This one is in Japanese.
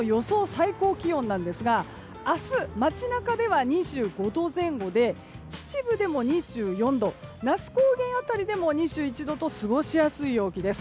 最高気温ですが明日、街中では２５度前後で秩父でも２４度那須高原辺りでも２１度と過ごしやすい陽気です。